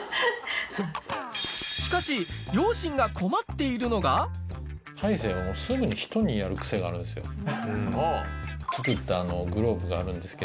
しかし、両親が困っているの大勢、すぐに人にやる癖があるんですよ。